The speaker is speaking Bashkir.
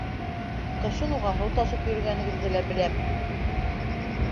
Ҡышын уға һыу ташып йөрөгәнегеҙҙе лә беләм.